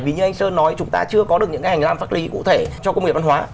vì như anh sơn nói chúng ta chưa có được những hành lang pháp lý cụ thể cho công nghiệp văn hóa